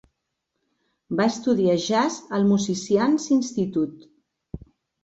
Va estudiar jazz al Musicians Institute.